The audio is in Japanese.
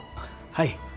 はい。